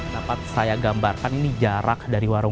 dapat saya gambarkan ini jarak dari warung